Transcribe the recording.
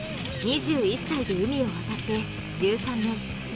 ２１歳で海を渡って１３年。